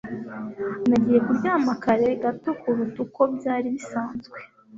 Nagiye kuryama kare gato kuruta uko byari bisanzwe